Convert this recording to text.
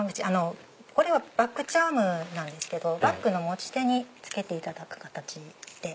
これはバッグチャームなんですけどバッグの持ち手に付けていただく形で。